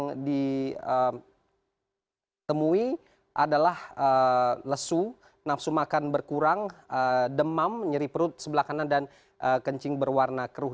yang ditemui adalah lesu nafsu makan berkurang demam nyeri perut sebelah kanan dan kencing berwarna keruh